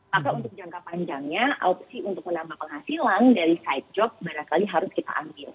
maka untuk jangka panjangnya opsi untuk menambah penghasilan dari side job barangkali harus kita ambil